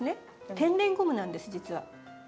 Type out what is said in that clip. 天然ゴムなんです実は。